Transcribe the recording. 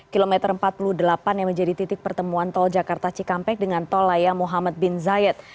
kilometer empat puluh delapan yang menjadi titik pertemuan tol jakarta cikampek dengan tol layang muhammad bin zayed